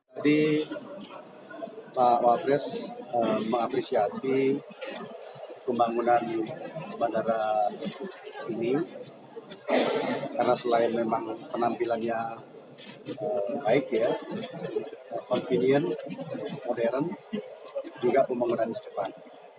jadi pak wakil presiden mengapresiasi pembangunan bandara ini karena selain memang penampilannya baik ya convenient modern juga pembangunan di depan